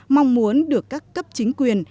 mong muốn được các cấp chính quyền